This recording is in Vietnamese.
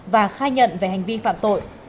và khai nhận về hành vi phạm tội